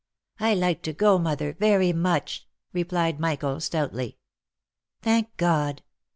" I like to go, mother, very much," replied Michael, stoutly. " Thank God